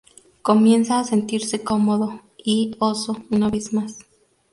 Comienza a sentirse cómodo y "oso" una vez más.